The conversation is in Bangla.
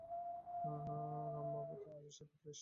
রমাপতি পিপাসায় ক্লিষ্ট হইয়া কহিল, হিন্দুর পানীয় জল পাই কোথায়?